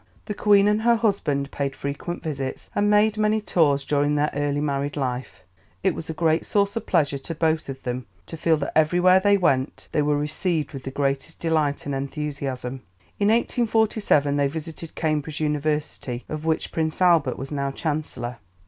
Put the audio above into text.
'" The Queen and her husband paid frequent visits, and made many tours during their early married life. It was a great source of pleasure to both of them to feel that everywhere they went they were received with the greatest delight and enthusiasm. In 1847 they visited Cambridge University, of which Prince Albert was now Chancellor.